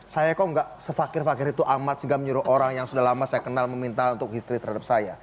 saya kok nggak sefakir fakir itu amat segam nyuruh orang yang sudah lama saya kenal meminta untuk istri terhadap saya